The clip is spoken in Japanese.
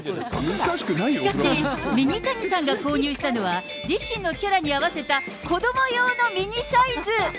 しかし、ミニタニさんが購入したのは、自身のキャラに合わせたこども用のミニサイズ。